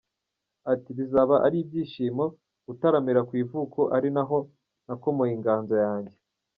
Ati “ Bizaba ari ibyishimo gutaramira ku ivuko ari naho nakomoye inganzo yanjye.